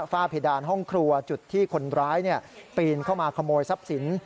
ฝ้าเพดานห้องครัวจุดที่คนร้ายปีนเข้ามาขโมยทรัพย์สิน